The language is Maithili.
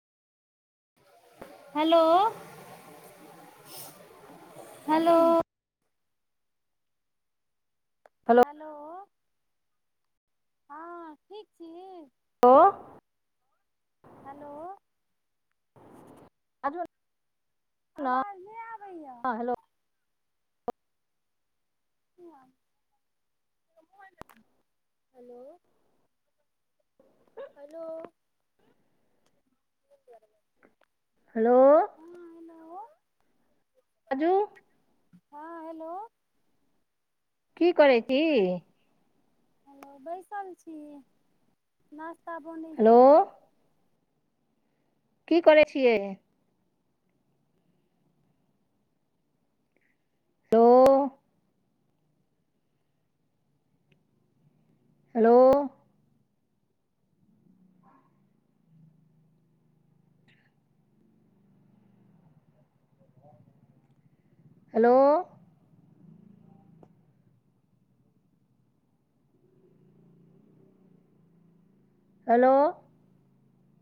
[unintelligible] हलो। हलो हेलो हँ, ठीक छी? ओ हेलो बाजू न आवाज नय आबैयैऽ हेलो [unintelligible] हेलो हेलो हेलो हँ हेलो बाजू। हँ हेलो- की करै छी? हेलो, बैसल छी। नाश्ता बनै हेलो छै। की करै छियै? Hello hello hello hello